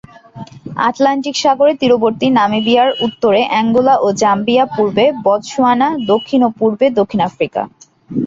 Atlantic সাগরের তীরবর্তী নামিবিয়ার উত্তরে অ্যাঙ্গোলা ও জাম্বিয়া পূর্বে বতসোয়ানা দক্ষিণ ও পূর্বে দক্ষিণ আফ্রিকা।